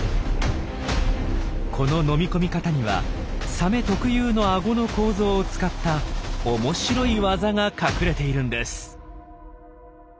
この飲み込み方にはサメ特有のアゴの構造を使った面白い技が隠れているんです。